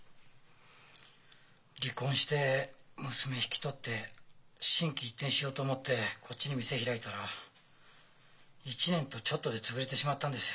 離婚して娘引き取って心機一転しようと思ってこっちに店開いたら１年とちょっとで潰れてしまったんですよ。